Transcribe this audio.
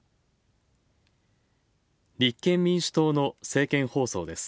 立憲民主党の政見放送です。